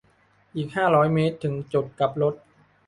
อีก ห้าร้อยเมตร ถึงจุดกลับรถ